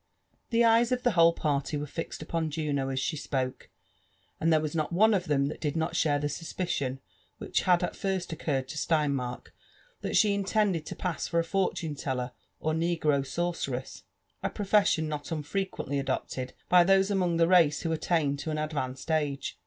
The pyes of the whole party were fixed upon Juno as she spoke, and there was not one of them that did not share the suspicion which had at first occurred to Steinmark, that she intended lo pass lor a fortune teller br negro sorceress; a profession not unfrequently adopted by those among the race who attain to an advanced age.